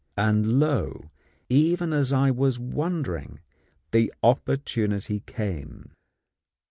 And, lo! even as I was wondering the opportunity came.